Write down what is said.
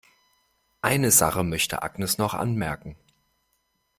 Eine Sache möchte Agnes noch anmerken.